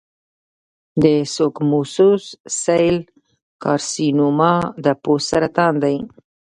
د سکوموس سیل کارسینوما د پوست سرطان دی.